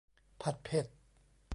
ผัดเผ็ด